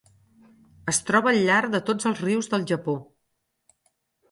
Es troba al llarg de tots els rius del Japó.